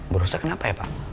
borosa kenapa ya pak